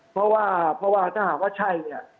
เพราะว่าถ้าหากว่าใช่